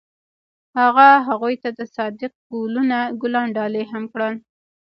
هغه هغې ته د صادق ګلونه ګلان ډالۍ هم کړل.